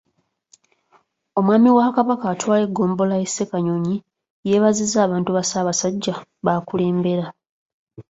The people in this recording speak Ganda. Omwami wa Kabaka atwala eggombolola y’e Ssekanyonyi, yeebazizza abantu ba Ssaabasajja b’akulembera.